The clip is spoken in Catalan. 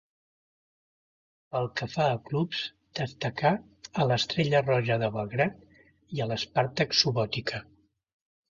Pel que fa a clubs, destacà a l'Estrella Roja de Belgrad i a l'Spartak Subotica.